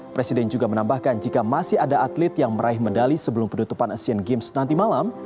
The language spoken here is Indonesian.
presiden juga menambahkan jika masih ada atlet yang meraih medali sebelum penutupan asian games nanti malam